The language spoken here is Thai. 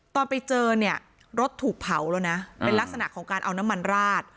ตอนไปเจอเนี่ยรถถูกเผาแล้วนะเป็นลักษณะของการเอาน้ำมันราด